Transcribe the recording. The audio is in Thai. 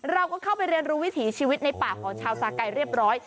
เราก็เข้าไปเรียนรู้วิถีชีวิตในป่าของชาวสาไก่เรียบร้อย